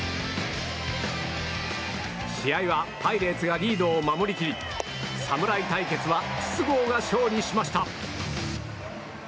試合はパイレーツがリードを守り切り侍対決は筒香が勝利しました。